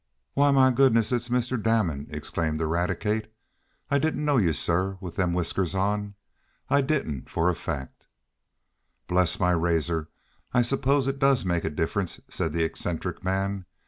"Why, mah goodness! It's Mr. Damon!" exclaimed Eradicate. "I didn't know yo', sah, wif dem whiskers on! I didn't, fo' a fac'!" "Bless my razor! I suppose it does make a difference," said the eccentric man.